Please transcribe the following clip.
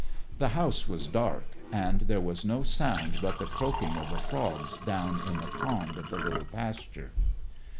The house was dark, and there was no sound but the croaking of the frogs down in the pond of the little pasture.